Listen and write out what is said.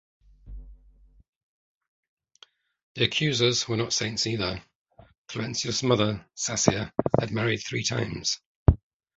The accusers were not saints either: Cluentius' mother, Sassia, had married three times.